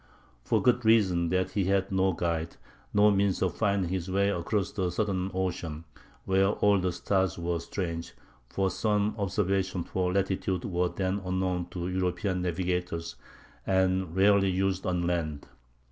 For the good reason that he had no guide, no means of finding his way across the southern ocean, where all the stars were strange; for sun observations for latitude were then unknown to European navigators, and rarely used on land.